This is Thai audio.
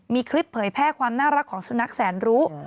มีคลิปเผยแพร่ความน่ารักของสุนัขแสนรู้